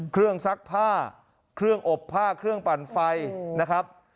ซักผ้าเครื่องอบผ้าเครื่องปั่นไฟนะครับ